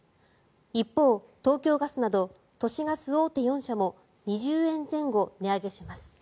一方、東京ガスなど都市ガス大手４社も２０円前後値上げします。